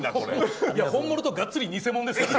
本物とがっつり偽者ですからね。